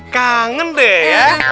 kangen deh ya